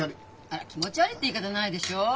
あら気持ち悪いって言い方ないでしょう。